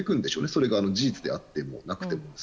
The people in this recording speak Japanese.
それが事実であってもなくても。